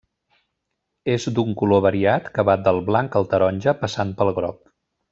És d'un color variat que va del blanc al taronja passant pel groc.